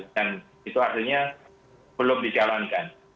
dan itu artinya belum dijalankan